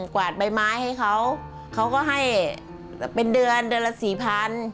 กวาดใบไม้ให้เขาเขาก็ให้เป็นเดือนเดือนละสี่พัน